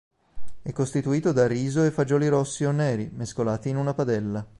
È costituito da riso e fagioli rossi o neri mescolati in una padella.